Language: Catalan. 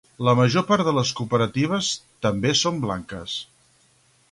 La major part de cooperatives també són blanques.